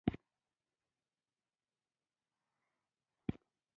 زیاتره پاتې خوراک لټونکي په استرالیا، امریکا او افریقا کې وو.